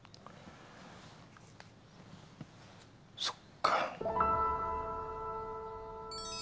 そっか。